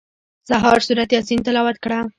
سهار سورت یاسین تلاوت کړه.